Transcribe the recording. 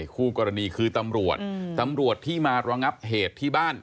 คู่กรณีคือตำรวจตำรวจที่มารองับเหตุที่บ้าน